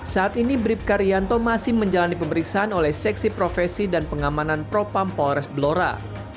saat ini bribka rianto masih menjalani pemeriksaan oleh seksi profesi dan pengamanan propam polres blora